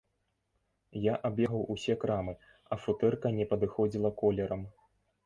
Я абегаў усе крамы, а футэрка не падыходзіла колерам.